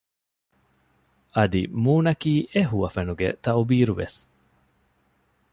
އަދި މޫނަކީ އެ ހުވަފެނުގެ ތައުބީރު ވެސް